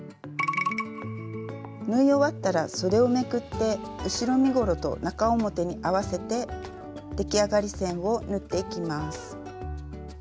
縫い終わったらそでをめくって後ろ身ごろと中表に合わせて出来上がり線を縫っていきます。